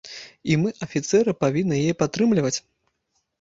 І мы, афіцэры, павінны яе падтрымліваць.